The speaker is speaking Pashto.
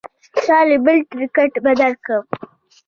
ساري بل ټکټ به درکړم.